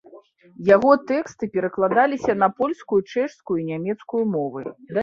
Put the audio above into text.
Яго тэксты перакладаліся на польскую, чэшскую і нямецкую мовы.